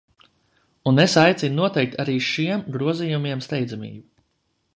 Un es aicinu noteikt arī šiem grozījumiem steidzamību.